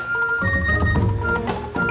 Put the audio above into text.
semarang tasik cirebon